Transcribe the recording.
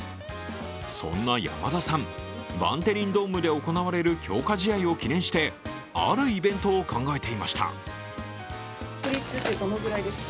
そんな山田さん、バンテリンドームで行われる強化試合を記念してあるイベントを考えていました。